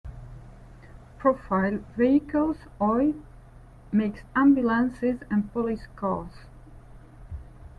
"Profile Vehicles Oy", makes ambulances and police cars.